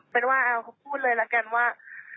เป็นว่าเอาพูดเลยแล้วกันว่า